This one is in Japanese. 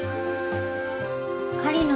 狩野